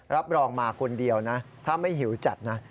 รับรองมาคนเดียวนะถ้าไม่หิวจัดนะ